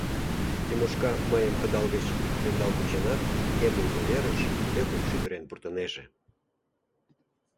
— Тимошка мыйым кыдал гыч ӧндал кученат, эмлыме верыш ӧкым шӱдырен пуртынеже.